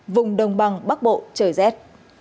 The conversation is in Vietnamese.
vùng đông bằng bắc bộ trời rét